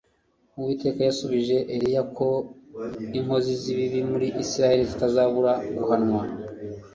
Uwiteka yasubije Eliya ko inkozi zibibi muri Isirayeli zitazabura guhanwa